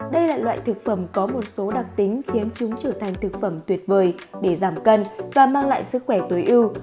đây là loại thực phẩm có một số đặc tính khiến chúng trở thành thực phẩm tuyệt vời để giảm cân và mang lại sức khỏe tối ưu